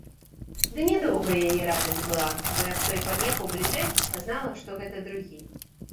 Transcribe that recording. Ды нядоўга яе радасць была, бо як той пад'ехаў бліжэй, пазнала, што гэта другі.